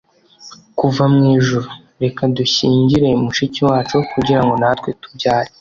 kuva mu ijuru. reka dushyingire mushiki wacu, kugira ngo natwe tubyare